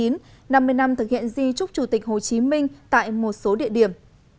năm mươi năm thực hiện di trúc chủ tịch hồ chí minh tại một số địa điểm